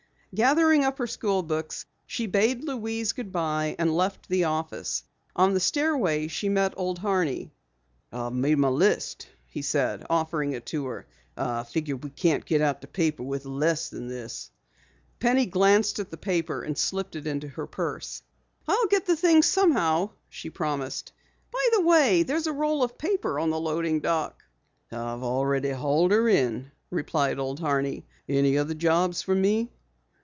Gathering up her school books, she bade Louise good bye and left the office. On the stairway she met Old Horney. "I've made my list," he said, offering it to her. "I figure we can't get out the paper with less than this." Penny glanced at the paper and slipped it into her purse. "I'll get the things somehow," she promised. "By the way, there's a roll of paper on the loading dock." "I've already hauled 'er in," replied Old Horney. "Any other jobs for me?"